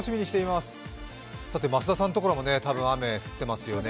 増田さんのところも多分、雨降ってますよね。